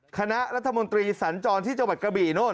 คณะรัฐมนตรีสัญจรที่จังหวัดกระบี่โน่น